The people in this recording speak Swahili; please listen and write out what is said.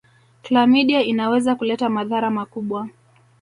klamidia inaweza kuleta madhara makubwa